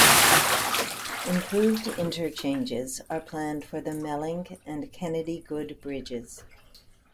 Improved interchanges are planned for the Melling and Kennedy-Good bridges.